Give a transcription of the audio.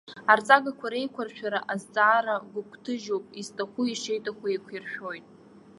Арҵагақәа реиқәыршәара азҵаара гәыгәҭажьуп, изҭаху ишиҭаху еиқәиршәоит.